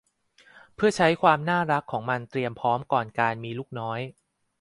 เพื่อใช้ความน่ารักของมันเตรียมพร้อมก่อนการมีลูกน้อย